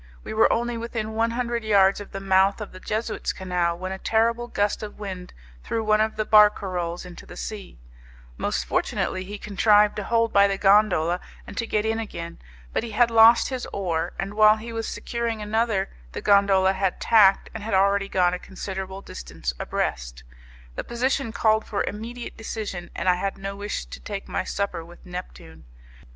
We were only within one hundred yards of the mouth of the Jesuits' Canal, when a terrible gust of wind threw one of the 'barcarols' into the sea; most fortunately he contrived to hold by the gondola and to get in again, but he had lost his oar, and while he was securing another the gondola had tacked, and had already gone a considerable distance abreast. The position called for immediate decision, and I had no wish to take my supper with Neptune.